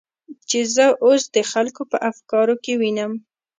چې زه اوس د خلکو په افکارو کې وینم.